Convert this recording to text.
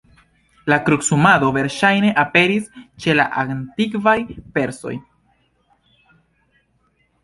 La krucumado verŝajne aperis ĉe la antikvaj persoj.